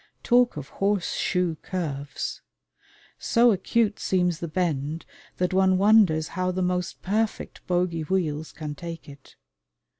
Talk of horse shoe curves! So acute seems the bend that one wonders how the most perfect bogey wheels can take it.